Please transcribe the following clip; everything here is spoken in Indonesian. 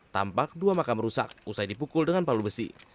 tampak dua makam rusak usai dipukul dengan palu besi